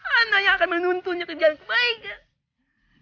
ana yang akan menuntunnya ke jalan kebaikan